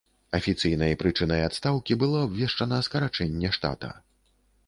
Афіцыйнай прычынай адстаўкі было абвешчана скарачэнне штата.